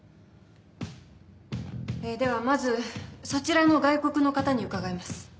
えではまずそちらの外国の方に伺います。